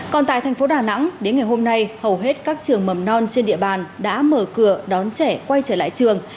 còn tại thành phố đà nẵng đến ngày hôm nay hầu hết các trường mầm non trên địa bàn đã mở cửa đón trẻ quay trở lại trường